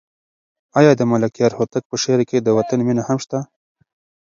آیا د ملکیار هوتک په شعر کې د وطن مینه هم شته؟